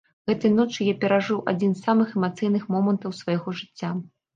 Гэтай ноччу я перажыў адзін з самых эмацыйных момантаў свайго жыцця.